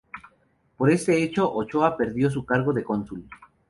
Por este hecho Ochoa perdió su cargo de cónsul.